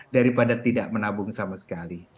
daripada tidak menabung sama sekali